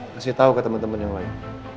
kasih tahu ke teman teman yang lain